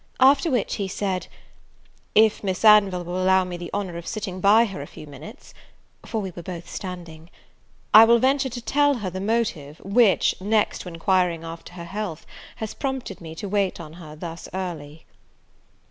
After which he said, "If Miss Anville will allow me the honour of sitting by her a few minutes (for we were both standing) I will venture to tell her the motive which, next to enquiring after her health, has prompted me to wait on her thus early."